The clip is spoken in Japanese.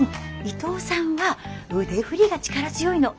伊藤さんは腕振りが力強いの。